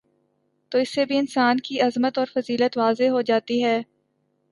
تو اس سے بھی انسان کی عظمت اور فضیلت واضح ہو جاتی ہے